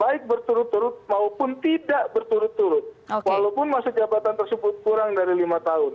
baik berturut turut maupun tidak berturut turut walaupun masa jabatan tersebut kurang dari lima tahun